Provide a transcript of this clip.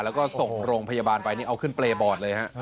แล้วก็ส่งโรงพยาบาลไปนี่เอาขึ้นเปรย์บอร์ดเลยฮะ